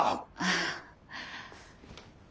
ああ。